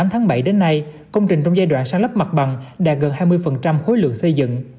tháng bảy đến nay công trình trong giai đoạn sáng lấp mặt bằng đạt gần hai mươi khối lượng xây dựng